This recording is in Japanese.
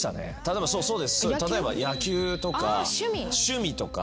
例えば野球とか趣味とか。